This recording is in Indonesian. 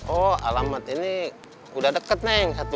oh alamat ini udah deket neng